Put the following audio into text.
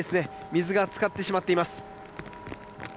水が浸かってしまっています。